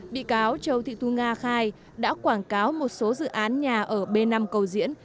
bị cáo châu thị thu nga khai đã quảng cáo một số dự án nhà ở b năm cầu diễn